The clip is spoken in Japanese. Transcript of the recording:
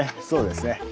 そうですね。